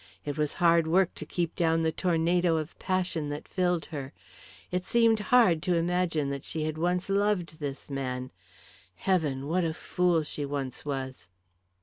It was hard work to keep down the tornado of passion that filled her. It seemed hard to imagine that she had once loved this man. Heavens! what a fool she once was.